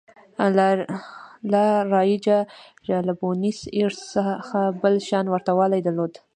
لا رایجا له بونیس ایرس څخه بل شان ورته والی درلود.